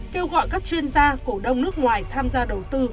kêu gọi các chuyên gia cổ đông nước ngoài tham gia đầu tư